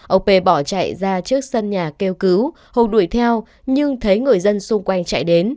ông p bỏ chạy ra trước sân nhà kêu cứu hùng đuổi theo nhưng thấy người dân xung quanh chạy đến